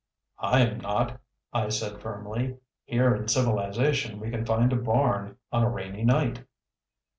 "I'm not," I said firmly. "Here in civilization we can find a barn on a rainy night."